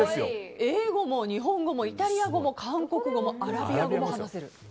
英語も日本語もイタリア語も韓国語も、アラビア語も話せる。